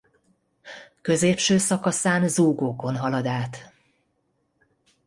Középső szakaszán zúgókon halad át.